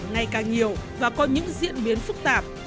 ngày càng nhiều và có những diễn biến phức tạp